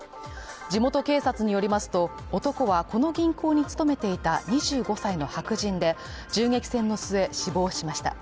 地元警察によりますと、男はこの銀行に勤めていた２５歳の白人で銃撃戦の末、死亡しました。